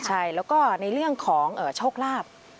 ใช่แล้วก็ในเรื่องของโชคลาภ